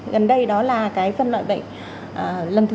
gần đây đó là cái phân loại bệnh lần thứ một mươi một